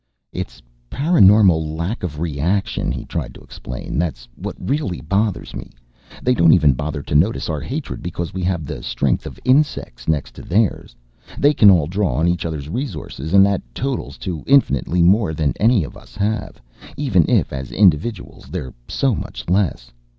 "It's paraNormal lack of reaction," he tried to explain, "that's what really bothers me. They don't even bother to notice our hatred because we have the strength of insects next to theirs. They can all draw on each others' resources and that totals to infinitely more than any of us have, even if as individuals they're so much less.